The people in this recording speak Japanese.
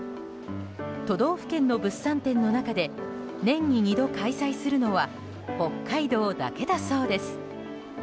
都道府県の物産展の中で年に２度開催するのは北海道だけだそうです。